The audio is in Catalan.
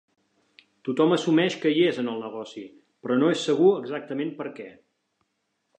Tothom assumeix que hi és en el negoci, però no és segur exactament per què.